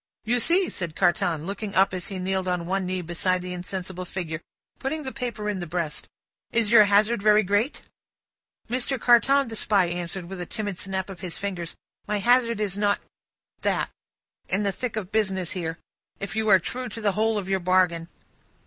"You see?" said Carton, looking up, as he kneeled on one knee beside the insensible figure, putting the paper in the breast: "is your hazard very great?" "Mr. Carton," the Spy answered, with a timid snap of his fingers, "my hazard is not that, in the thick of business here, if you are true to the whole of your bargain."